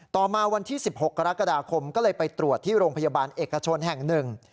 ต่อมาวันที่๑๖กรกฎาคมก็เลยไปตรวจที่โรงพยาบาลเอกชนแห่งหนึ่ง